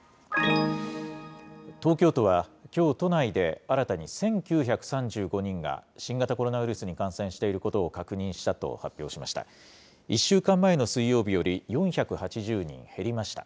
東京都は、きょう都内で新たに１９３５人が新型コロナウイルスに感染していることを確認したと発表しました。